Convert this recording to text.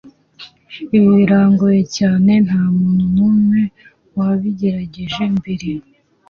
Ibi birangoye cyane Nta muntu numwe wabigerageje mbere